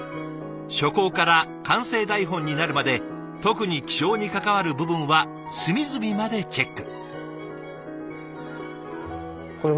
初稿から完成台本になるまで特に気象に関わる部分は隅々までチェック。